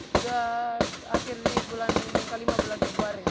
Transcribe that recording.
sudah akhirnya bulan minggu kelima bulan yang kemarin